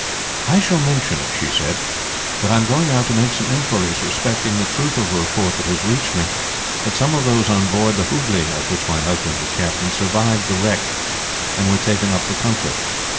"I shall mention," she said, "that I am going out to make some inquiries respecting the truth of a report that has reached me, that some of those on board the Hooghley, of which my husband was captain, survived the wreck, and were taken up the country.